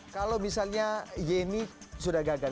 kalau misalnya yeni sudah gagal